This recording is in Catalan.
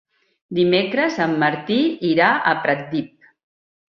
Dimecres en Martí irà a Pratdip.